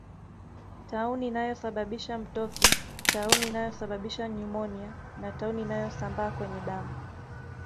Tauni inayosababisha mtoki tauni inayosababisha nyumonia na tauni inayosambaa kwenye damu